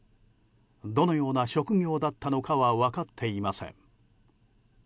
どのような職業だったのかは分かっていません。